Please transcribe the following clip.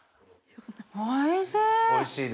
おいしい！